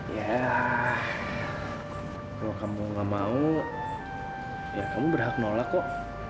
ya kalau kamu gak mau ya kamu berhak nolak kok